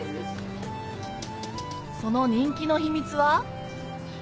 その人気の秘密は？